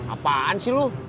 apaan sih lu